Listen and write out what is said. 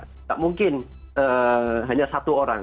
tidak mungkin hanya satu orang